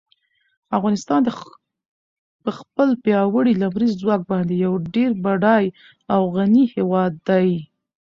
افغانستان په خپل پیاوړي لمریز ځواک باندې یو ډېر بډای او غني هېواد دی.